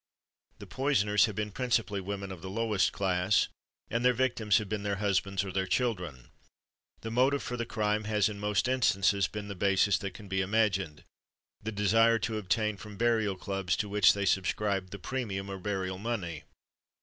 The poisoners have been principally women of the lowest class, and their victims have been their husbands or their children. The motive for the crime has in most instances been the basest that can be imagined, the desire to obtain from burial clubs to which they subscribed, the premium, or burial money.